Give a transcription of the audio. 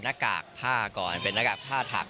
หน้ากากผ้าก่อนเป็นหน้ากากผ้าถัก